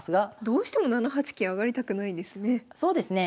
どうしても７八金上がりたくないんですね。